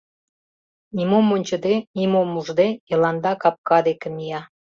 Нимом ончыде, нимом ужде, Йыланда капка деке мия.